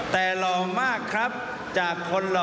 แต่หล่อมากครับจากคนหล่อ